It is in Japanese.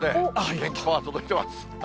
元気パワー届いています。